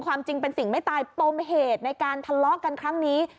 ความจริงเป็นสิ่งไม่ตายปมเหตุในการทะเลาะกันครั้งนี้